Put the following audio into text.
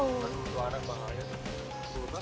tuh anak bahaya tuh